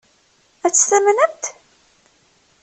Ad tt-tamnemt?